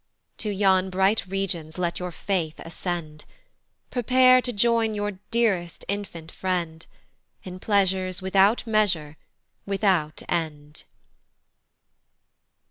To yon bright regions let your faith ascend, Prepare to join your dearest infant friend In pleasures without measure, without end.